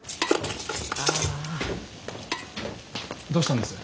どうしたんです？